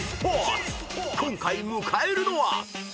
［今回迎えるのは］